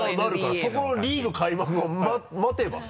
そこのリーグ開幕を待てばさ。